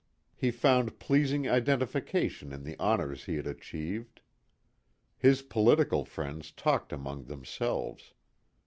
He found pleasing identification in the honors he had achieved. His political friends talked among themselves.